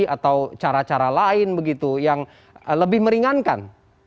atau cara cara lain begitu yang lebih meringankan